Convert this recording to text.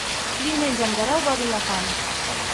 Diumenge en Guerau va a Vilafant.